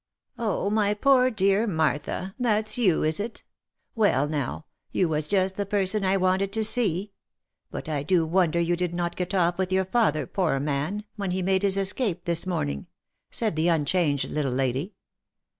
"Oh, my poor dear Martha! that's you, is it? Well now! you was just the person I wanted to see. But I do wonder you did not get off with your father, poor man ! when he made his escape, this morning," said the unchanged little lady.